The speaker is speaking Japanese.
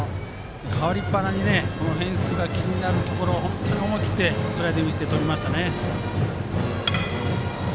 代わりっぱなにこのフェンスが気になるところで思い切ってスライディングしてとりましたね。